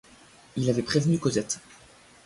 Il avait prévenu Cosette.